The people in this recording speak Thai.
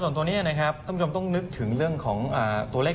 ส่วนตัวนี้นะครับท่านผู้ชมต้องนึกถึงเรื่องของตัวเลข